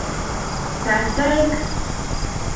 taach toek